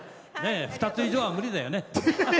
２つ以上は無理だよね！